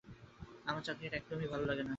আমার চাকরিটা একদমই ভালো লাগে না।